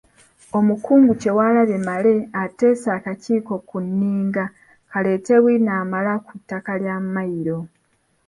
Omukungu Kyewalabye Male ateese akakiiko ku nninga kaleete bwino amala ku ttaka lya Mmayiro.